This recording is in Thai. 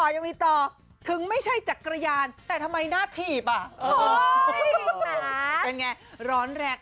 ยังมีต่อถึงไม่ใช่จักรยานแต่ทำไมหน้าถีบอ่ะเป็นไงร้อนแรง